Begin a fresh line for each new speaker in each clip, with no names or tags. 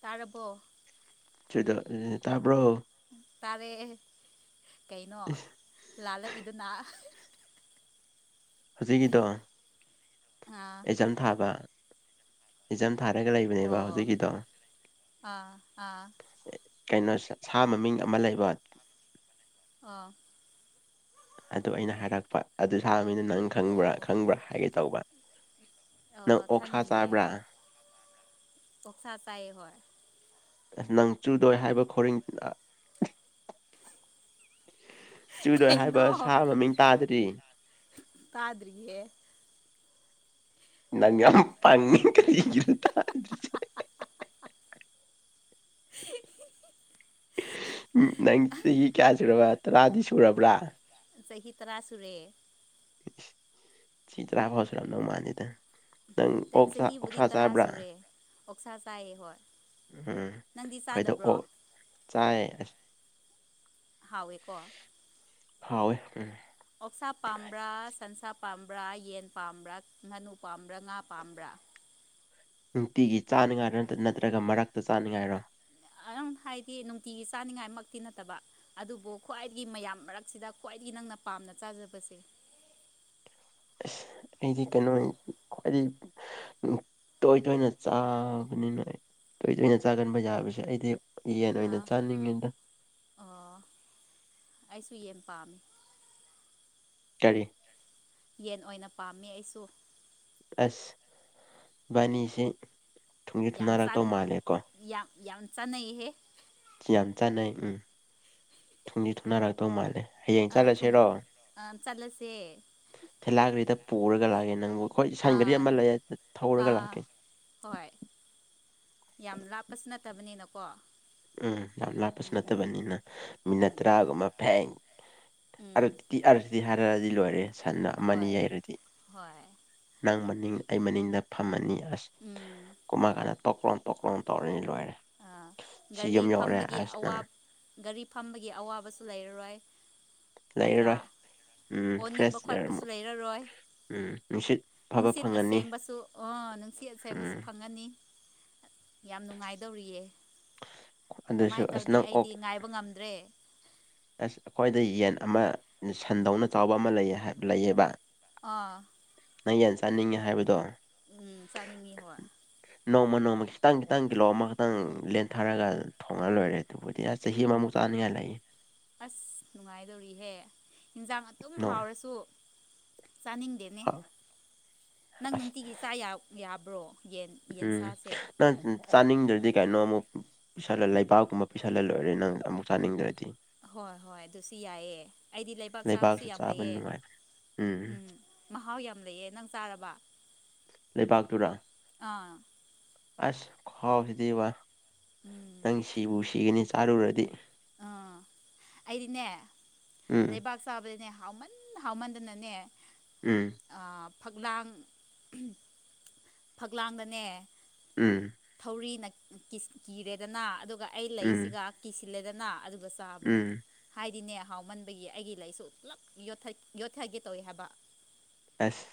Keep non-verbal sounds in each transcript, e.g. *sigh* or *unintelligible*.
ꯇꯥꯔꯕꯣ
ꯁꯤꯗ ꯇꯥꯕ꯭ꯔꯣ
ꯇꯥꯔꯦ ꯀꯩꯅꯣ ꯂꯥꯜꯂꯛꯏꯗꯨꯅ
ꯍꯧꯖꯤꯛꯀꯤꯗꯣ
ꯑꯥ
ꯑꯦꯛꯖꯥꯝ ꯊꯥꯕ ꯑꯦꯛꯖꯝ ꯊꯥꯔꯒ ꯂꯩꯕꯅꯦꯕ
ꯑꯣ
ꯍꯧꯖꯤꯛꯀꯤꯗꯣ
ꯑꯥ ꯑꯥ
ꯀꯩꯅꯣꯦ ꯁꯥ ꯃꯃꯤꯡ ꯑꯃ ꯂꯩꯕ
ꯑꯥ
ꯑꯗꯨ ꯑꯩꯅ ꯍꯥꯏꯔꯛꯄ ꯑꯗꯨ ꯁꯥꯕꯅꯤꯅ ꯅꯪ
ꯑꯣ
ꯈꯪꯕ꯭ꯔꯥ ꯈꯪꯕ꯭ꯔꯥ ꯍꯥꯏꯒꯦ ꯇꯧꯕ
ꯑꯣ
ꯅꯪ ꯑꯣꯛꯁꯥ
ꯈꯪꯗꯤꯌꯦ
ꯆꯥꯕ꯭ꯔꯥ
ꯄꯁꯥ ꯇꯥꯏ ꯍ
ꯑ ꯅꯪ ꯆꯨꯗꯣꯏ ꯍꯥꯏꯕ ꯈꯔꯤꯡ ꯆꯤꯗꯣꯏ ꯍꯥꯏꯕ
ꯀꯩꯅꯣ
ꯁꯥ ꯃꯃꯤꯡ ꯇꯥꯗ꯭ꯔꯤ
ꯇꯥꯗꯔꯤꯌꯦꯌꯦ
ꯉ ꯐꯉꯤ ꯀꯔꯤ ꯇꯔꯁꯦ ꯎ ꯅꯪ ꯆꯍꯤ ꯀꯌꯥ ꯁꯨꯔꯕ ꯇꯔꯥꯗꯤ ꯁꯨꯔꯕ꯭ꯔꯥ
ꯆꯍꯤꯍꯤ ꯇꯔꯥ ꯁꯨꯔꯦ
ꯆꯤꯇ꯭ꯔꯥ ꯐꯁꯔꯅ ꯃꯥꯅꯤꯗ ꯅꯪ
ꯆꯍꯤꯕꯨꯗꯤ
ꯑꯣꯛꯁꯥ
ꯇꯔꯥ
ꯆꯥꯕ꯭ꯔꯥ
ꯁꯨꯔꯦ ꯑꯣꯛꯁꯥ ꯆꯥꯏ ꯍꯣꯏ
ꯎꯝ
ꯅꯪꯗꯤ
ꯑꯩꯩꯗ
ꯆꯥꯗꯕ꯭ꯔꯣ
ꯑꯣ ꯆꯥꯏ ꯑꯁ
ꯍꯥꯎꯋꯦꯀꯣ
ꯍꯥꯎꯋ ꯎ
ꯑꯣꯛꯁꯥ ꯄꯥꯝꯕ꯭ꯔꯥ ꯁꯟꯁꯥ ꯄꯥꯝꯕ꯭ꯔꯥ ꯌꯦꯟ ꯄꯥꯝꯕ꯭ꯔꯥ ꯉꯥꯅꯨ ꯄꯥꯝꯕ꯭ꯔꯥ ꯉꯥ ꯄꯥꯝꯕ꯭ꯔꯥ *inaudible* *unintelligible*
ꯅꯨꯡꯇꯤꯒꯤ ꯆꯥꯅꯉꯥꯏꯔꯣ ꯅ ꯅꯠꯇ꯭ꯔꯒ ꯃꯔꯛꯇ ꯆꯥꯅꯉꯥꯏꯔꯣ
ꯑꯥꯡ ꯍꯥꯏꯗꯤ ꯅꯨꯡꯇꯤꯒꯤ ꯆꯥꯅꯤꯡꯉꯥꯏꯃꯛꯇꯤ ꯅꯠꯇꯕ ꯑꯗꯨꯕꯨ ꯈ꯭ꯋꯥꯏꯗꯒꯤ ꯃꯌꯥꯝ ꯃꯔꯛꯁꯤꯗ ꯈ꯭ꯋꯥꯏꯗꯒꯤ ꯅꯪꯅ ꯄꯥꯝ ꯅ ꯆꯥꯖꯕꯁꯦ
ꯑꯁ ꯑꯩꯗꯤ ꯀꯩꯅꯣ ꯈ꯭ꯋꯥꯏꯗꯗꯒꯤ ꯇꯣꯏ ꯇꯣꯏꯅ ꯆꯥꯕꯅꯤꯅꯣꯏ ꯇꯣꯏ ꯇꯣꯏꯅ ꯆꯥꯒꯟꯕ ꯌꯥꯕꯁꯦ ꯑꯩꯗꯤ ꯌꯦꯟ ꯑꯣꯏꯅ
ꯑꯥ
ꯆꯥꯅꯤꯡꯉꯤꯗ
ꯑꯣ ꯑꯩꯁꯨ ꯌꯦꯟ ꯄꯥꯝꯃꯤ
ꯇꯔꯤ
ꯌꯦꯟ ꯑꯣꯏꯅ ꯄꯥꯝꯃꯦ ꯑꯩꯁꯨ
ꯑꯁ ꯕꯥꯅꯤꯁꯦ ꯊꯨꯝꯖꯤ ꯊꯨꯝꯅꯔꯛꯇꯧ ꯃꯥꯜꯂꯦꯀꯣ
ꯌꯥꯝꯆꯥ ꯅ ꯍ
ꯁꯤ ꯌꯥꯝ ꯆꯥꯟꯅꯩ ꯎꯝ ꯊꯨꯝꯗꯤ ꯊꯨꯅꯔꯛꯇꯧ ꯃꯥꯜꯂꯦ ꯍꯌꯦꯡ
ꯑ ꯊꯨꯝ
ꯆꯠꯂꯁꯤꯔꯣ
ꯑ ꯆꯠꯂꯁꯦ
ꯊꯦꯂꯥꯒꯔꯤꯗ ꯄꯨꯔꯒ ꯂꯥꯛꯒꯦ ꯅꯪꯕꯨ ꯑꯩꯣꯏ ꯁꯟꯒꯔꯤ
ꯑꯥ
ꯑꯃ ꯂꯩ ꯊꯧꯔꯒ
ꯑꯥ
ꯂꯥꯛꯀꯦ
ꯍꯣꯏ ꯌꯥꯝ ꯂꯥꯞꯄꯁꯨ ꯅꯠꯇꯕꯅꯤꯅꯀꯣ
ꯎꯝ ꯌꯥꯝ ꯂꯥꯞꯄꯁꯨ
ꯎꯝ
ꯅꯠꯇꯕꯅꯤꯅ ꯃꯤꯅꯠ
ꯎꯝ
ꯇꯔꯥꯒꯨꯝꯕ ꯐꯦꯡ
ꯎꯝ
ꯤ ꯑꯗꯤ ꯍꯥꯏꯔꯛꯑꯗꯤ ꯂꯣꯏꯔꯦ ꯁꯟꯅ ꯑꯃꯅꯤ
ꯍꯣꯏ
ꯌꯩꯔꯗꯤ
ꯍꯣꯏ
ꯅꯪ ꯃꯅꯤ ꯃꯅꯤꯡ ꯑꯩ ꯃꯅꯤꯡꯗ ꯐꯝꯃꯅꯤ ꯑꯁ
ꯎꯝ
ꯀꯨꯝꯃ ꯀꯥꯟꯗ ꯇꯣꯛꯀ꯭ꯔꯣꯝ ꯇꯣꯛꯀ꯭ꯔꯣꯝ ꯇꯧꯔꯅꯤ ꯂꯣꯏꯔꯦ
ꯑ
ꯁꯤ
ꯒꯥꯔꯤ
ꯌꯨꯝ ꯌꯧꯔꯦ
ꯐꯝꯕꯒꯤ
ꯑꯁ ꯅꯪ
ꯒꯥꯔꯤ ꯐꯝꯕꯒꯤ ꯑꯋꯥꯕꯁꯨ ꯂꯩꯔꯔꯣꯏ ꯅꯠꯇ꯭ꯔꯥ
ꯂꯩꯔꯔꯣꯏ ꯎꯝ
ꯑꯣꯅꯤꯡꯕ
ꯐ꯭ꯔꯦꯁ ꯏꯌꯥꯔ
ꯈꯣꯠꯄꯁꯨ
ꯑꯃꯨꯛ
ꯂꯩꯔꯔꯣꯏ
ꯎꯝ ꯅꯨꯡꯁꯤꯠ ꯑꯐꯕ
ꯅꯨꯡꯁꯤꯠ
ꯐꯪꯉꯅꯤ
ꯑꯁꯦꯡꯕꯁꯨ ꯑꯥ ꯅꯨꯡꯁꯤꯠ
ꯎꯝ
ꯑꯁꯦꯡꯕꯁꯨ ꯐꯪꯉꯅꯤ ꯌꯥꯝ ꯅꯨꯡꯉꯥꯏꯗꯧꯔꯤꯌꯦ
ꯑꯗꯨꯁꯨ
ꯀꯃꯥꯏꯅ
ꯑꯁ
ꯇꯧꯅꯤ
ꯅꯪ ꯑꯣꯛ
ꯑꯩꯗꯤ ꯉꯥꯏꯕ ꯉꯝꯗ꯭ꯔꯦ
ꯑꯁ ꯑꯩꯈꯣꯏꯗ ꯌꯦꯟ ꯑꯃ ꯁꯟꯗꯧꯅ ꯆꯥꯎꯕ ꯑꯃ ꯂꯩ ꯂꯩꯌꯦꯕ
ꯑꯥ
ꯅꯪ ꯌꯦꯟ ꯆꯥꯅꯤꯡꯉꯦ ꯍꯥꯏꯕꯗꯣ
ꯎꯝ ꯆꯥꯅꯤꯡꯉꯤ ꯍꯣꯏ
ꯅꯣꯡꯃ ꯅꯣꯡꯃ ꯈꯤꯇꯪ ꯈꯤꯇꯪ ꯀꯤꯂꯣ ꯑꯃꯈꯛꯇꯪ ꯂꯦꯟꯊꯔꯒ ꯊꯣꯡꯉ ꯂꯣꯏꯔꯦ ꯑꯗꯨꯕꯨꯗꯤ ꯑꯁ ꯆꯍꯤ ꯑꯃꯃꯨꯛ ꯆ ꯄꯥꯟꯌꯥ ꯂꯩꯌꯦ
ꯑꯁ ꯅꯨꯡꯉꯥꯏꯗꯣꯔꯤꯍꯦ ꯌꯦꯟꯖꯥꯡ ꯑꯗꯨꯝ
ꯅꯣꯡ
ꯍꯥꯎꯔꯁꯨ ꯆꯥꯅꯤꯡꯗꯦꯅꯦ
ꯑꯁ
ꯅꯪ ꯅꯨꯡꯇꯤꯒꯤ ꯆꯥ ꯌꯥ ꯌꯥꯕ꯭ꯔꯣ ꯌꯦꯟ
ꯎꯝ
ꯌꯦꯟꯁꯥꯁꯦ
ꯅꯪ ꯆꯥꯅꯤꯡꯗ꯭ꯔꯗꯤ ꯀꯩꯅꯣ ꯑꯃꯨꯛ ꯄꯤꯁꯜꯂ ꯂꯩꯕꯥꯛꯀꯨꯝꯕ ꯄꯤꯁꯜꯂ ꯂꯔ ꯅꯪ ꯑꯃꯨꯛ ꯆꯥꯅꯤꯡꯗ꯭ꯔꯗꯤ
ꯍꯣꯏ ꯍꯣꯏ ꯑꯗꯨꯁꯨ ꯌꯥꯏꯑ ꯑꯩꯗꯤ ꯂꯩꯕꯥꯛ ꯆꯥꯕꯁꯨ
ꯂꯩꯕꯥꯛꯁꯨ
ꯌꯥꯝ
ꯆꯥꯕ
ꯍꯩꯑ
ꯅꯨꯡꯉꯥꯏ
ꯎꯝ ꯃꯍꯥꯎ ꯌꯥꯝ ꯂꯩꯑ ꯅꯪ ꯇꯥꯔꯕ
ꯄ ꯇꯨꯔ ꯑꯁ ꯈꯍꯥꯎꯁꯤꯗꯤꯕ
ꯎꯝ
ꯅꯪ ꯁꯤꯕꯨ ꯁꯤꯒꯅꯤ ꯆꯥꯔꯨꯔꯗꯤ
ꯑꯥ ꯑꯩꯗꯤꯅꯦ
ꯎꯝ
ꯂꯩꯕꯥꯛ ꯆꯥꯕꯗꯅꯦ ꯍꯥꯎꯃꯟ ꯍꯥꯎꯃꯟꯗꯅꯅꯦ
ꯎꯝ
ꯑ ꯐꯛꯂꯥꯡ ꯐꯛꯂꯥꯡꯗꯅꯦ
ꯎꯝ
ꯊꯧꯔꯤꯅ ꯀꯤꯁ ꯀꯤꯔꯦꯗꯅ ꯑꯗꯨꯒ ꯑꯩ
ꯎꯝ
ꯂꯩꯁꯤꯒ ꯀꯤꯁꯤꯜꯂꯦꯗꯅ‍‌ ꯑꯓꯨ ꯆꯥꯕꯅꯤ
ꯎꯝ
ꯍꯥꯏꯗꯤꯅꯦ ꯍꯥꯎꯃꯟꯕꯒꯤ ꯑꯩꯒꯤ ꯂꯩꯁꯨ ꯄꯨꯂꯞ ꯌꯣꯠꯊ ꯌꯣꯠꯊꯒꯦ ꯇꯧꯋꯤ ꯍꯥꯏꯕ
ꯑꯁ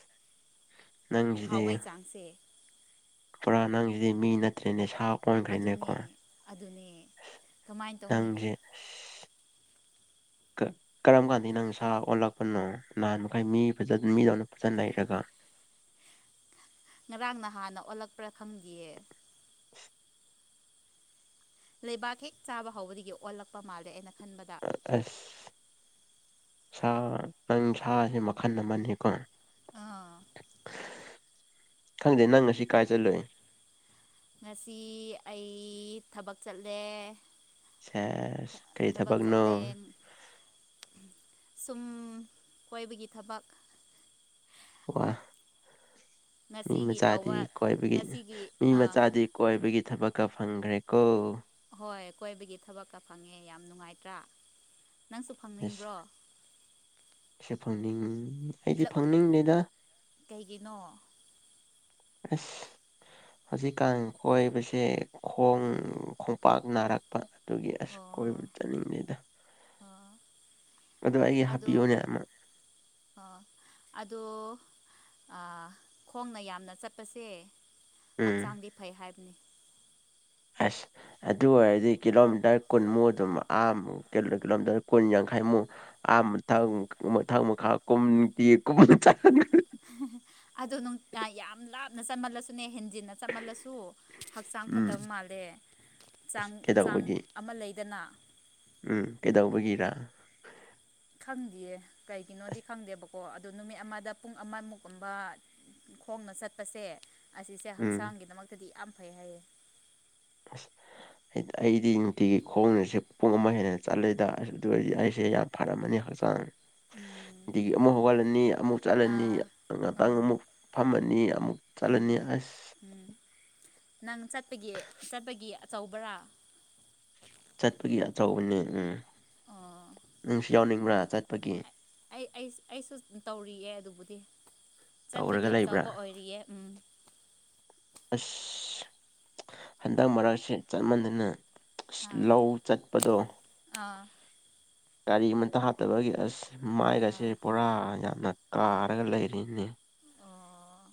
ꯅꯪꯁꯤꯗꯤ
ꯍꯥꯎꯕꯩ ꯆꯥꯡꯁꯦ
ꯄꯨꯔꯥ ꯅꯪꯁꯤꯗꯤ ꯃꯤ ꯅꯠꯇ꯭ꯔꯦꯅꯦ ꯁꯥ ꯑꯣꯟꯈ꯭ꯔꯦꯅꯦꯀꯣ
ꯑꯗꯨꯅꯦ ꯑꯗꯨꯅꯦ ꯀꯃꯥꯏꯅ ꯇꯧꯅꯤ *unintelligible*
ꯀ ꯀꯔꯝ ꯀꯥꯟꯗ ꯅꯪꯁ ꯑꯣꯜꯂꯛꯄꯅꯣ ꯅꯍꯥꯟ ꯃꯈꯩ ꯃꯤ ꯐꯖ ꯃꯤꯗꯧꯅ ꯐꯖꯅ ꯂꯩꯔꯒ
ꯉꯔꯥꯡ ꯅꯍꯥꯟꯅ ꯑꯣꯜꯂꯛꯄ꯭ꯔꯥ ꯈꯪꯗꯤꯌꯦ
*unintelligible*
ꯂꯩꯕꯥꯛ ꯍꯦꯛ ꯆꯥꯕ ꯍꯧꯕꯗꯒꯤ ꯑꯣꯜꯂꯛꯄ ꯃꯥꯜꯂꯦ ꯑꯩꯅ ꯈꯟꯕꯗ
ꯑꯁ ꯁꯥ ꯅꯪ ꯁꯥꯁꯦ ꯃꯈꯜ ꯑꯃꯅꯤꯀꯣ
ꯑꯥ
ꯈꯪꯗꯦ ꯅꯪ ꯉꯁꯤ ꯀꯥꯏ ꯆꯜꯂꯨꯏ
ꯉꯁꯤ ꯑꯩ ꯊꯕꯛ ꯆꯠꯂꯦ
ꯁꯦꯁ ꯀꯔꯤ
ꯊꯕꯛ
ꯊꯕꯛꯅꯣ
ꯆꯠꯂꯦ ꯁꯨꯝ ꯀꯣꯏꯕꯒꯤ ꯊꯕꯛ
ꯋꯥ ꯃꯤ
ꯉꯁꯤꯒꯤ
ꯃꯆꯥꯗꯤ
ꯇꯧꯕ
ꯀꯣꯏꯕꯒꯤ
ꯉꯁꯤꯒꯤ
ꯃꯤ
ꯑꯥ
ꯃꯆꯥꯗꯤ ꯀꯣꯏꯕꯒꯤ ꯊꯕꯛꯀ ꯐꯪꯈ꯭ꯔꯦꯀꯣ
ꯍꯣꯏ ꯀꯣꯏꯕꯒꯤ ꯊꯕꯛꯀ ꯐꯪꯉꯦ ꯌꯥꯝ ꯅꯨꯡꯉꯥꯏꯇ꯭ꯔꯥ ꯅꯪꯁꯨ ꯐꯪꯅꯤꯡꯕ꯭ꯔꯣ
ꯑꯁꯦ ꯐꯪꯅꯤꯡ ꯑꯩꯗꯤ
ꯂꯞ
ꯐꯪꯅꯤꯡꯗꯦꯗ
ꯀꯩꯒꯤꯅꯣ
ꯑꯁ ꯍꯧꯖꯤꯛꯀꯥꯟ ꯀꯣꯏꯕꯁꯦ ꯈꯣꯡ ꯄꯥꯛ ꯅꯥꯔꯛꯄ ꯑꯗꯨꯒꯤ ꯑꯁ ꯀꯣꯏꯕ
ꯑꯣ
ꯆꯠꯅꯤꯡꯗꯦꯗ
ꯑꯣ
ꯑꯗꯨ ꯑꯩꯒꯤ
ꯑꯗꯣ
ꯍꯥꯞꯄꯤꯌꯣꯅꯦ ꯑꯃ
ꯑꯗꯣ ꯑ ꯈꯣꯡꯅ ꯌꯥꯝꯅ ꯆꯠꯄꯁꯦ
ꯎꯝ
ꯍꯛꯆꯥꯡꯗꯤ ꯐꯩ ꯍꯥꯏꯕꯅꯤ
ꯑꯁ ꯑꯗꯨ ꯑꯣꯏꯔꯗꯤ ꯀꯤꯂꯣꯃꯤꯇꯔ ꯀꯨꯟꯃꯨꯛ ꯑꯗꯨꯝ ꯑ ꯀꯤꯂꯣꯃꯤꯇꯔ ꯀꯨꯟ ꯈꯥꯏꯃꯨ ꯑꯥ ꯃꯊꯪ ꯃꯊꯪ ꯃꯈꯥ ꯀꯨꯝꯗꯦ ꯀꯨꯝ ꯆꯠ
ꯅ ꯆꯠꯃꯜꯂꯁꯨꯅꯦ ꯍꯦꯟꯖꯤꯟꯅ ꯆꯞꯃꯜꯂꯁꯨ ꯍꯛꯆꯥꯡ
ꯎꯝ
ꯐꯠꯇꯕ ꯃꯥꯜꯂꯦ
ꯑꯁ
ꯆꯥꯡ ꯆꯥꯡ
ꯀꯩꯗꯧꯕꯒꯤ
ꯑꯃ ꯂꯩꯗꯅ
ꯎꯝ ꯀꯩꯗꯧꯕꯒꯤ
ꯈꯪꯗꯦ ꯀꯩꯒꯤꯅꯣꯗꯤ
ꯑꯁ
ꯈꯪꯗꯦ ꯀꯣ ꯑꯗꯨ ꯅꯨꯃꯤꯠ ꯑꯃꯗ ꯄꯨꯡ ꯑꯃ ꯃꯨꯛꯀꯨꯝꯕ ꯈꯣꯡꯅ ꯆꯠꯄꯁꯦ ꯑꯁꯤꯁꯦ
ꯎꯝ
ꯍꯛꯆꯥꯡꯒꯤꯗꯃꯛꯇꯗꯤ ꯌꯥꯝ ꯐꯩ ꯍꯥꯏꯌꯦ
*unintelligible* ꯗꯤ ꯑꯩꯗꯤ ꯅꯨꯡꯇꯤꯒꯤ ꯈꯣꯡꯁꯦ ꯄꯨꯡ ꯑꯃ ꯍꯦꯟꯅ ꯆꯠꯂꯦꯗ ꯑꯗꯨ ꯑꯣꯏꯗꯤ ꯑꯩꯁꯦ ꯌꯥꯝ ꯐꯔꯝꯃꯅꯤ ꯍꯆꯥꯡ
ꯎꯝ
ꯑꯗꯒꯤ ꯑꯃꯨꯛ ꯍꯧꯒꯠꯂꯅꯤ ꯑꯃꯨꯛ ꯆꯠꯂꯅꯤ
ꯑꯥ
ꯉꯍꯥꯛꯇꯪ
ꯎꯝ
ꯑꯃꯨꯛ ꯐꯝꯃꯅꯤ ꯑꯃꯨꯛ
ꯎꯝ
ꯆꯠꯂꯅꯤ ꯑꯁ
ꯎꯝ ꯅꯪ ꯆꯠꯄꯒꯤ ꯆꯠꯄꯒꯤ ꯑꯆꯧꯕ꯭ꯔꯥ
ꯆꯠꯄꯒꯤ ꯑꯆꯧꯕꯅꯤ ꯎꯝ
ꯑꯣ
ꯅꯪꯁꯨ ꯌꯥꯎꯅꯤꯡꯕ꯭ꯔꯥ ꯆꯠꯄꯒꯤ
ꯑꯩ ꯑꯩ ꯑꯩꯁꯨ ꯇꯧꯔꯤꯌꯦ ꯑꯗꯨꯕꯨꯗꯤ
ꯇꯧꯔꯒ
ꯆꯠꯄꯒꯤ
ꯂꯩꯕ꯭ꯔꯥ
ꯑꯆꯧꯕ ꯑꯣꯏꯔꯤꯌꯦ ꯎꯝ
ꯑꯁ ꯍꯟꯗꯛ ꯃꯔꯛꯁꯦ ꯆꯠ ꯃꯥꯟꯅꯅ ꯑꯁ
ꯑꯥ
ꯂꯧ ꯆꯠꯄꯗꯣ
ꯑꯥ
ꯒꯥꯔꯤ ꯑꯃꯇ ꯍꯥꯠꯇꯕꯒꯤ ꯑꯁ ꯃꯥꯏꯒꯁꯦ
ꯑꯥ
ꯄꯨꯔꯥ ꯌꯥꯝꯅ ꯀꯥꯔꯒ ꯂꯩꯔꯤꯅꯤ
ꯑꯣ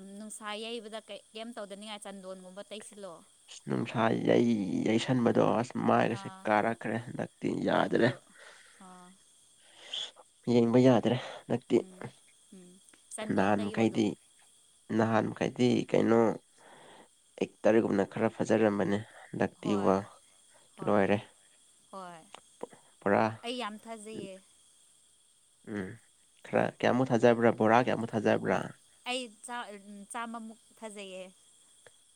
ꯎꯝ ꯅꯨꯡꯁꯥ ꯌꯩꯕꯗ ꯀꯩꯝ ꯇꯧꯗꯅꯤꯡꯉꯥꯏ ꯆꯟꯗꯣꯟꯒꯨꯝꯕ ꯇꯩꯁꯤꯜꯂꯣ
ꯑ ꯅꯨꯡꯁꯥ ꯌꯩ ꯌꯩꯁꯟꯕꯗꯣ ꯑꯁ ꯃꯥꯏꯒꯁꯦ
ꯑꯥ
ꯀꯥꯔꯛꯈ꯭ꯔꯦ ꯍꯟꯗꯛꯇꯤ
ꯑꯗꯣ
ꯌꯥꯗ꯭ꯔꯦ
ꯑꯥ
ꯌꯦꯡꯕ ꯌꯥꯗ꯭ꯔꯦ ꯅꯛꯇꯤ
ꯎꯝ ꯎꯝ ꯆꯟꯗꯣꯟ ꯇꯩꯌꯣ ꯑꯗꯨ
ꯅꯍꯥꯟ ꯃꯈꯩꯗꯤ ꯀꯩꯅꯣ ꯑꯦꯛꯇꯔꯒꯨꯝꯅ ꯈꯔ ꯐꯖꯔꯝꯕꯅꯦ ꯅꯠꯇ
ꯍꯣꯏ
ꯋꯥ
ꯍꯣꯏ
ꯂꯣꯏꯔꯦ
ꯍꯣꯏ
ꯄꯨꯔꯥ
ꯑꯩ ꯌꯥꯝ ꯊꯥꯖꯩꯌꯦ
ꯎꯝ ꯈꯔ ꯀꯌꯥꯃꯨꯛ ꯊꯥꯖꯕ꯭ꯔꯥ ꯕꯣꯔꯥ ꯀꯌꯥꯃꯨꯛ ꯊ
ꯑꯩ ꯆꯥꯝꯃꯃꯨꯛ ꯊꯥꯖꯩꯌꯦ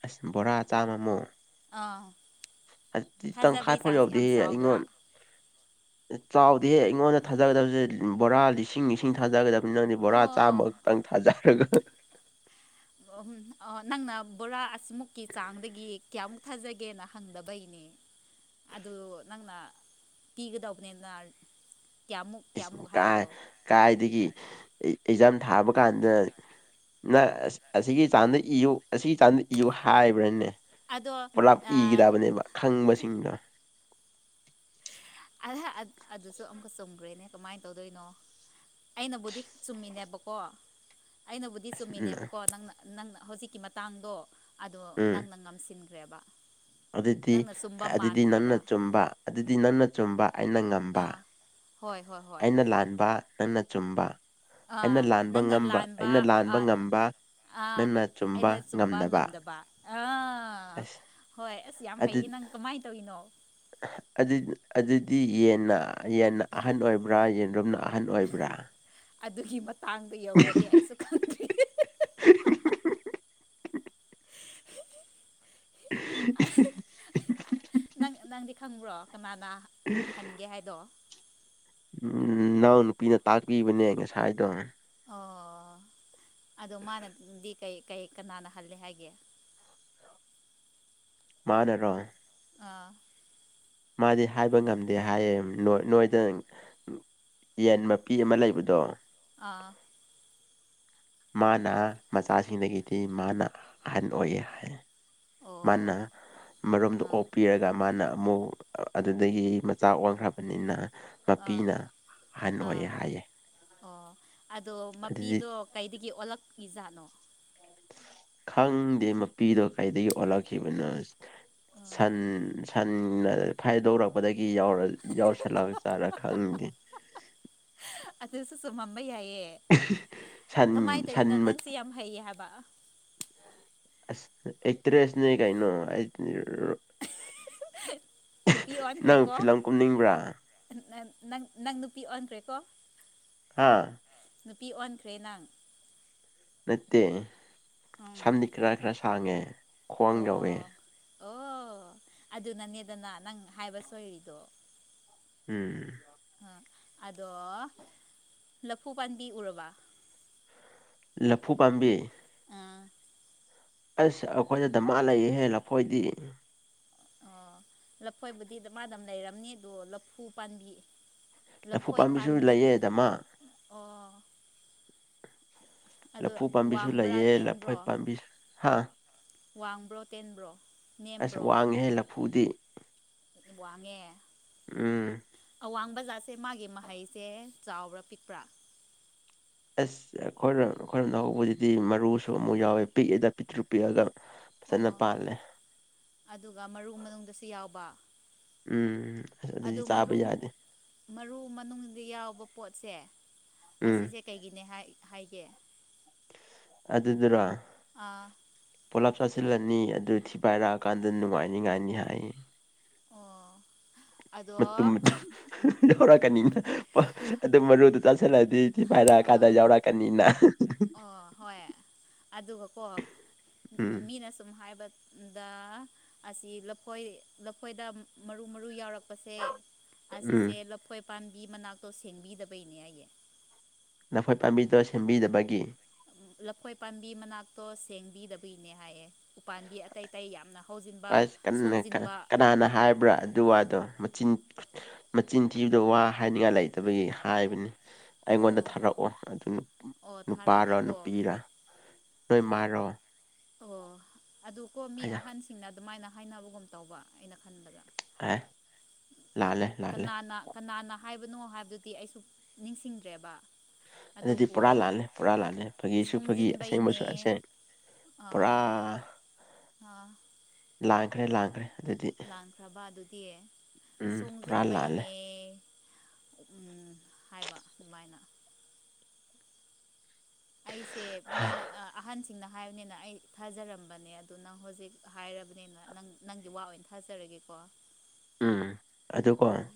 ꯑꯁ ꯕꯣꯔꯥ ꯆꯥꯝꯃꯃꯨꯛ
ꯑꯥ
ꯍꯥꯏ ꯇꯪꯈꯥꯏ
ꯊꯥꯖꯕꯩ
ꯐꯥꯎ
ꯆꯥꯡꯁꯦ
ꯌꯎꯗꯤ
ꯌꯥꯝ
ꯍꯦ
ꯆꯥꯎꯗ꯭ꯔꯥ
ꯑꯩꯉꯣꯟ ꯆꯥꯎꯗꯦꯦ ꯑꯩꯉꯣꯟꯗ ꯊꯥꯖꯒꯗꯕꯁꯦ ꯕꯣꯔꯥ ꯂꯤꯁꯤꯡ ꯂꯤꯁꯤꯡ ꯊꯥꯖꯒꯗꯕ ꯃꯤꯅꯅꯤ ꯕꯣꯔꯥ
ꯑꯣ
ꯆꯥꯝꯃꯛꯇꯪ ꯊꯥꯖꯔꯒ
ꯅꯪꯅ ꯕꯣꯔꯥ ꯑꯁꯤꯃꯨꯛꯀꯤ ꯆꯥꯡꯗꯒꯤ ꯀꯌꯥꯃꯨꯛ ꯊꯥꯖꯒꯦꯅ ꯍꯪꯗꯕꯒꯤꯅꯤ ꯑꯗꯨ ꯅꯪꯅ ꯄꯤꯒꯗꯧꯕꯅꯦ
ꯀ ꯀꯥꯏꯗꯒꯤ ꯑꯦꯛꯖꯥꯝ ꯊꯥꯕ ꯀꯥꯟꯗ ꯅ ꯑꯁꯤꯒꯤ ꯆꯥꯡꯗ ꯏꯌꯨ ꯑꯁꯤ ꯆꯥꯡꯗ ꯏꯌꯨ ꯍꯥꯏꯕ꯭ꯔꯅꯦ
ꯑꯗꯣ
ꯄꯨꯂꯞ ꯏꯒꯗꯕꯅꯦꯕ ꯈꯪꯕꯁꯤꯡꯗꯣ
ꯑ ꯑꯗꯨꯁꯨ ꯑꯃꯨꯛꯀ ꯆꯨꯝꯈ꯭ꯔꯦꯅꯦ ꯀꯃꯥꯏꯅ ꯇꯧꯗꯣꯏꯅꯣ ꯑꯩꯅꯕꯨꯗꯤ ꯆꯨꯝꯃꯤꯅꯦꯕ ꯀꯣ ꯑꯩꯅꯕꯨꯗꯤ
ꯑꯁ ꯎꯝ
ꯆꯨꯝꯃꯤꯅꯦꯕꯀꯣ ꯅꯪꯅ ꯅꯪꯅ ꯍꯧꯖꯤꯛꯀꯤ ꯃꯇꯥꯡꯗꯣ ꯑꯗꯣ
ꯎꯝ
ꯅꯪꯅ ꯉꯝꯁꯤꯟꯈ꯭ꯔꯦꯕ
ꯑꯗꯨꯗꯤ
ꯅꯪꯅ ꯆꯨꯝꯕ
ꯑꯗꯨꯗꯤ ꯅꯟꯅ
ꯃꯥꯟꯈ꯭ꯔꯦꯕ
ꯆꯨꯝꯕ ꯑꯗꯨꯗꯤ ꯅꯟꯅ ꯆꯨꯝꯕ ꯑꯩꯅ ꯉꯝꯕ
ꯑꯥ ꯍꯣꯏ ꯍꯣꯏ ꯍꯣꯏ
ꯑꯩꯅ ꯂꯥꯟꯕ ꯅꯪꯅ ꯆꯨꯝꯕ ꯑꯩꯅ
ꯑꯥ
ꯂꯥꯟꯕ ꯉꯝꯕ ꯑꯩꯅ ꯂꯥꯟꯕ ꯉꯝꯕ
ꯑ ꯑꯩꯅ ꯆꯨꯝꯕ ꯉꯝꯗꯕ ꯑ
ꯑꯁ
ꯍꯣꯏ ꯑꯁ ꯌꯥꯝ
ꯑꯗꯨ
ꯍꯩꯌꯦ ꯅꯪ ꯀꯃꯥꯏꯅ ꯇꯧꯔꯤꯅꯣ
ꯑꯗꯨꯗꯤ ꯌꯦꯟꯅ ꯌꯦꯟꯅ ꯑꯍꯟ ꯑꯣꯏꯕ꯭ꯔꯥ ꯌꯦꯟꯔꯨꯝꯅ ꯑꯍꯟ ꯑꯣꯏꯕ꯭ꯔꯥ
ꯑꯗꯨꯒꯤ ꯃꯇꯥꯡꯗꯣ ꯌꯧꯈ꯭ꯔꯗꯤ ꯑꯩꯁꯨ ꯈꯪꯗꯦ ꯅꯪ ꯅꯪꯗꯤ ꯈꯪꯕ꯭ꯔꯣ ꯀꯅꯥꯅ ꯍꯟꯒꯦ ꯍꯥꯏꯗꯣ
ꯎꯝ ꯅꯅꯥꯎ ꯅꯨꯄꯤꯅ ꯇꯥꯛꯄꯤꯕꯅꯦ ꯉꯁꯥꯏꯗꯣ
ꯑꯣ ꯑꯗꯣ ꯃꯥꯅꯗꯤ ꯀꯩ ꯀꯩ ꯀꯅꯥꯅ ꯍꯜꯂꯦ ꯍꯥꯏꯒꯦ *unintelligible*
ꯃꯥꯅꯔꯣ꯫
ꯑꯥ
ꯃꯥꯗꯤ ꯍꯥꯏꯕ ꯉꯝꯗꯦ ꯍꯥꯏꯌꯦ ꯅꯣꯏꯗ ꯌꯦꯟ ꯃꯄꯤ ꯑꯃ ꯂꯩꯕꯗꯣ
ꯑꯥ
ꯃꯥꯅ ꯃꯆꯥꯁꯤꯡꯗꯒꯤꯗꯤ ꯃꯥꯅ ꯑꯍꯟ ꯑꯣꯏꯌꯦ ꯍꯥꯏ꯫
ꯑꯣ
ꯃꯥꯅ ꯃꯔꯣꯝꯗ
ꯑꯥ
ꯑꯣꯞꯄꯤꯔꯒ ꯃꯥꯅ ꯑꯃꯨꯛ ꯑꯗꯨꯗꯒꯤ ꯃꯆꯥꯥꯛ ꯑꯣꯟꯈ꯭ꯔꯕꯅꯤꯅ꯫
ꯑꯥ
ꯃꯄꯤꯅ ꯑꯍꯟ
ꯑꯥ
ꯑꯣꯏꯌꯦ ꯍꯥꯏꯌꯦ꯫
ꯑꯣ ꯑꯗꯣ
ꯑꯗꯨꯗꯤ
ꯃꯄꯤꯗꯣ ꯀꯩꯗꯒꯤ ꯑꯣꯜꯂꯛꯄꯤ ꯖꯥꯠꯅꯣ꯫
ꯈꯪꯗꯦ ꯃꯄꯤꯗꯣ ꯀꯩꯗꯒꯤ ꯑꯣꯜꯂꯛꯈꯤꯕꯅꯣ꯫ ꯁꯟ ꯁꯟꯅ ꯐꯥꯏꯗꯧꯔꯛꯄꯗꯒꯤ ꯒꯤ ꯌꯥꯎꯔ ꯌꯥꯎꯁꯜꯂꯛ ꯆꯥꯔ ꯈꯪꯉꯗꯦ꯫
ꯑꯗꯨꯁꯨ ꯆꯨꯝꯃꯝꯕ ꯌꯥꯏꯌꯦ ꯀꯃꯥꯏ
ꯁꯟ ꯁꯟ
ꯇꯧꯏꯅꯣ
ꯃ
ꯅꯪꯁꯦ ꯌꯥꯝ ꯍꯩꯌꯦ ꯍꯥꯏꯕ ꯥꯄꯥ
ꯑꯁ ꯑꯦꯛꯇꯔꯦꯁꯅꯦ ꯀꯩꯅꫭ ꯑꯩ ꯔꯔ
ꯅꯨꯄꯤ ꯑꫭꯟꯈ꯭ꯔꯦꯀꯣ
ꯀꯨꯝꯅꯤꯡꯕ꯭ꯔꯥ
ꯅꯪ ꯅꯪ ꯅꯪ ꯅꯨꯄꯤ ꯑꯣꯟꯈ꯭ꯔꯦꯀꯣ꯫
ꯍꯥꯥ
ꯅꯨꯄꯤ ꯑꯣꯟꯈ꯭ꯔꯦ ꯅꯪ꯫
ꯅꯠꯇꯦ
ꯎꯝ
ꯁꯝꯗꯤ ꯈꯔꯥ ꯈꯔꯥ ꯁꯥꯡꯉꯦ ꯈ꯭ꯋꯥꯡ ꯌꯥꯎꯋꯦ꯫
ꯑꯣ ꯑꯣ ꯑꯗꯨꯅꯅꯦꯗꯅ ꯅꯪ ꯍꯥꯏꯕ ꯁꯣꯏꯔꯤꯗꯣ꯫
ꯎꯝ
ꯑꯥ ꯑꯗꯣ ꯂꯐꯨ ꯄꯥꯟꯕꯤ ꯎꯔꯕꯥ꯫
ꯂꯐꯨ ꯄꯥꯝꯕꯤ꯫ ꯑꯁ ꯩꯈꯣꯏꯗ ꯗꯃꯥ ꯂꯩꯌꯦꯍꯦ ꯂꯐꯣꯏꯗꯤ꯫
ꯑꯣ ꯂꯐꯣꯏꯕꯨꯗꯤ ꯗꯃꯥꯗꯝ ꯂꯩꯔꯝꯅꯤ ꯑꯗꯣ ꯂꯐꯨ ꯄꯥꯝꯕꯤ꯫
ꯂꯐꯨ
ꯂꯐꯣꯏ
ꯄꯥꯝꯕꯤꯁꯨ
ꯄꯥꯟꯕꯤ
ꯂꯩꯌꯦ ꯗꯃꯥ
ꯑꯣ ꯑꯗꯨ
ꯂꯐꯨ ꯄꯥꯝꯕꯤꯁꯨ
ꯋꯥꯡꯕ꯭ꯔꯥ
ꯂꯩꯌꯦ ꯂꯐꯣꯏ
ꯇꯦꯟꯕ꯭ꯔꯣ
ꯄꯥꯝꯕꯤ ꯍꯥ
ꯋꯥꯡꯕ꯭ꯔꯣ ꯇꯦꯟꯕ꯭ꯔꯣ ꯅꯦꯝꯕ꯭ꯔꯣ꯫
ꯐꯨꯗꯤ
ꯋꯥꯡꯉꯦ꯫
ꯎꯝ
ꯑꯋꯥꯡ ꯕꯖꯥꯠꯁꯦ ꯃꯥꯒꯤ ꯃꯍꯩꯁꯦ ꯆꯥꯎꯕ꯭ꯔꯥ ꯄꯤꯛꯄ꯭ꯔꯥ꯫
ꯑꯁ ꯑꯈꯣꯏꯔꫭꯝ ꯑꯈꯣꯏꯔꫭꯝ ꯅ ꯍꯧꯕꯗꯨꯗꯤ ꯃꯔꯨꯁꯨ ꯑꯃꯨꯛ ꯌꯥꯎꯋꯦ ꯄꯤꯛꯑꯦꯗ ꯄꯤꯛꯇ꯭ꯔꯨ ꯄꯤꯛꯑꯒ꯫ ꯐꯖꯅ
ꯑꯣ
ꯄꯥꯜꯂꯦ
ꯑꯗꯨꯒ ꯃꯔꯨ ꯃꯅꯨꯡꯗꯁꯨ ꯌꯥꯎꯕꯥ꯫
ꯎꯝ ꯑꯁ ꯑꯗꯨꯗꯤ
ꯑꯗꯨ
ꯆꯥꯕ
ꯃꯔꯨ
ꯌꯥꯗꯦ
ꯃꯔꯨ ꯃꯅꯨꯡꯗꯤ ꯌꯥꯎꯕ ꯄꯣꯠꯁꯦ
ꯎꯝ
ꯑꯁꯤꯁꯦ ꯀꯩꯒꯤꯅꯦ ꯍꯥꯏ ꯍꯥꯏꯒꯦ꯫
ꯑꯗꯨꯗꯨꯔꫭ꯫
ꯑꯥ
ꯄꯣꯂꯥꯞ ꯆꯥꯁꯤꯜꯂꯅꯤ ꯑꯗꯨ ꯊꯤꯐꯥꯏꯔꯛꯑꯀꯥꯟꯗ ꯅꯨꯡꯉꯥꯏꯅꯤꯉꯥꯏꯅꯤ ꯍꯥꯏꯌꯦ꯫
ꯑꯣ ꯑꯗꯣ
ꯃꯇꯨꯝ ꯃꯇꯨꯝ ꯌꯥꯎꯔꯛꯀꯅꯤꯅ ꯄ ꯑꯗꯨ ꯃꯔꯨ ꯆꯠꯂꯗꯤ ꯊꯤ ꯄꯥꯏꯔꯛꯑ ꯀꯥꯟꯗ
ꯑꯥ
ꯌꯥꯎꯔꯛꯀꯅꯤꯅ꯫
ꯑꯣ ꯍꯣꯏ ꯑꯗꯨꯒꯀꯣ
ꯎꯝ
ꯃꯤꯅ ꯁꯨꯝ ꯍꯥꯏꯕ ꯗꯥ ꯑꯁꯤ ꯂꯐꯣꯏ ꯂꯐꯣꯏꯗ ꯃꯔꯨ-ꯃꯔꯨ ꯌꯥꯎꯔꯛ ꯄꯁꯦ
ꯎꯝ
ꯑꯁꯤꯁꯦ ꯂꯐꯣꯏ ꯄꯥꯝꯕꯤ ꯃꯅꯥꯛꯇꯣ ꯁꯦꯡꯕꯤꯗꯕꯩꯅꯦ ꯑꯩꯌꯦ꯫
ꯅꯐꯣꯏ ꯄꯥꯝꯕꯤꯗꯨ ꯁꯦꯝꯕꯤꯗꯕꯒꯤ꯫
ꯎꯝ ꯂꯐꯣꯏ ꯄꯥꯝꯕꯤ ꯃꯅꯥꯛꯇꯣ ꯁꯦꯡꯕꯤꯗꯕꯒꯤꯅꯦ ꯍꯥꯏꯌꯦ꯫ ꯎꯄꯥꯝꯕꯤ ꯑꯇꯩ ꯑꯇꯩ ꯌꯥꯝꯅ ꯍꯧꯖꯤꯟꯕ
ꯑꯁ ꯀꯟꯅ
ꯁꯣꯡꯖꯤꯟꯕ
ꯀꯅꯥꯅ ꯍꯥꯏꯕ꯭ꯔꯥ ꯑꯗꯨ ꯋꯥꯗꯣ ꯃꯆꯤꯟ ꯃꯆꯤꯟ ꯊꯤꯕꯗ ꯋꯥ ꯍꯥꯏꯅꯤꯡꯉꯥꯏ ꯂꯩꯇꯕꯒꯤ ꯍꯥꯏꯕꯅꯤ ꯑꯩꯉꯣꯟꯗ
ꯑꯣ
ꯊꯥꯔꯛꯑꯣ ꯑꯗꯨ
ꯑꯣ
ꯅꯨꯄꯥꯔ
ꯊꯥꯔꯛꯀꯦꯀꯣ
ꯅꯨꯄꯤꯔ ꯅꯣꯏ ꯃꯔꯣ
ꯑꯣ ꯑꯗꯨ ꯀꯣ ꯃꯤ
ꯑꯌꯥ
ꯑꯍꯟꯁꯤꯡꯅ ꯑꯗꯨꯃꯥꯏꯅ ꯍꯥꯏꯅꯕꯒꯨꯝ ꯇꯧꯕ ꯑꯩꯅ ꯈꯟꯕꯗ
ꯑꯦ ꯂꯥꯜꯂꯦ ꯂꯥꯜꯂꯦ
ꯀꯅꯥꯅ ꯀꯅꯥꯅ ꯍꯥꯏꯕꯅꯣ ꯍꯥꯏꯕꯗꯨꯗꯤ ꯑꯩꯁꯨ ꯅꯤꯡꯁꯤꯡꯗ꯭ꯔꯦꯕ
ꯑꯗꯨꯗꯤ
ꯑꯗꯨꯕꯨ
ꯄꯣꯔꯥ ꯂꯥꯜꯂꯦ ꯄꯣꯔꯥ ꯂꯥꯜꯂꯦ ꯐꯥꯒꯤꯁꯨ ꯐꯥꯒꯤ ꯑꯁꯦꯡꯕꯁꯨ
ꯁꯣꯡꯖꯤꯟꯕꯩꯅꯦ
ꯑꯁꯦꯡ ꯄꯨꯔꯥ
ꯑꯥ
ꯂꯥꯡꯈ꯭ꯔꯦ ꯂꯥꯡꯈ꯭ꯔꯦ
ꯂꯥꯟꯈ꯭ꯔꯕ ꯑꯗꯨꯗꯤ
ꯎꯝ ꯄꯨꯔꯥ ꯂꯥꯜꯂꯦ
ꯁꯣꯡꯁꯤꯟꯕꯩꯅꯦ ꯎ ꯍꯥꯏꯕ ꯑꯗꯨꯃꯥꯏꯅ ꯑꯩꯁꯦ ꯃꯤꯅ ꯑꯑꯍꯟ ꯁꯤꯡꯅ ꯍꯥꯏꯕꯅꯤꯅ ꯑꯩ ꯊꯥꯖꯔꯝꯕꯅꯦ ꯑꯗꯨꯗ ꯅꯪ ꯍꯧꯖꯤꯛ ꯍꯥꯏꯔꯕꯅꯤꯅ ꯅꯪ ꯅꯪꯒꯤ ꯋꯥ ꯑꯣꯏꯅ ꯊꯥꯖꯔꯒꯦꯀꯣ
ꯎꯝ ꯑꯗꯨꯀꯣ
ꯎꯝ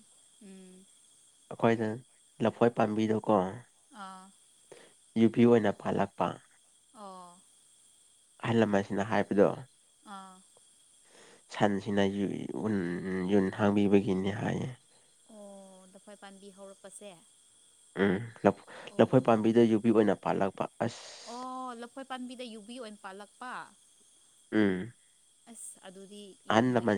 ꯎꯝ
ꯑꯩꯈꯣꯏꯗ ꯂꯐꯣꯏ ꯄꯥꯝꯕꯤꯗꯨꯀꯣ
ꯑꯥ
ꯌꯨꯕꯤ ꯑꯣꯏꯅ ꯄꯥꯜꯂꯛꯄ
ꯑꯣ
ꯑꯍꯜ ꯂꯃꯟ ꯑꯁꯤꯅ ꯍꯥꯏꯕꯗꯣ
ꯑꯥ
ꯁꯟꯁꯤꯅꯟ ꯌꯨꯟ ꯍꯥꯡꯕꯤꯕꯒꯤꯅꯤ ꯍꯥꯏꯌꯦ
ꯑꯣ ꯗꯐꯣꯏ ꯄꯥꯝꯕꯤ ꯍꯧꯔꯛꯄꯁꯦ
ꯎꯝ
ꯑꯣ
ꯂꯐꯣꯏ ꯄꯥꯝꯕꯤꯗ ꯌꯨꯕꯤ ꯑꯣꯏꯅ ꯄꯥꯜꯂꯛꯄ ꯑꯁ
ꯑꯣ ꯂꯐꯣꯏ ꯄꯥꯝꯕꯤꯗ ꯌꯨꯕꯤ ꯑꯣꯏꯅ ꯄꯥꯜꯂꯛꯄ
ꯎꯝ
ꯑꯁ ꯑꯗꯨꯗꯤ
ꯑꯍꯜ
ꯌꯥꯝ ꯉꯛꯑꯦ
ꯂꯃꯟ